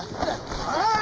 ああ！？